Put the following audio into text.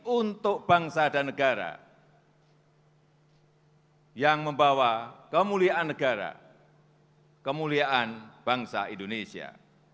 untuk bangsa dan negara yang membawa kemuliaan negara kemuliaan bangsa indonesia